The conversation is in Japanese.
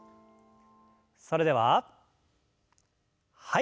それでははい。